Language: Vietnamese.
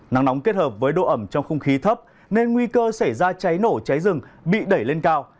nắng nóng kết hợp với độ ẩm trong không khí thấp nên nguy cơ xảy ra cháy nổ cháy rừng bị đẩy lên cao